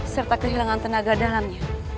serta kehilangan tenaga dalamnya